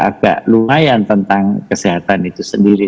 ada luayan tentang kesehatan itu sendiri